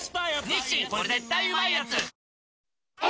「日清これ絶対うまいやつ」